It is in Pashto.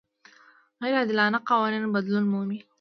غیر عادلانه قوانین بدلون مومي.